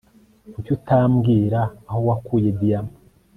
kuki utambwira aho wakuye diyama